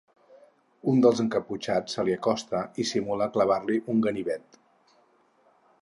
Un dels encaputxats se li acosta i simula clavar-li un ganivet.